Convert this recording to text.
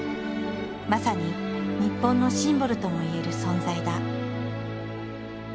まさに日本のシンボルともいえる存在だ。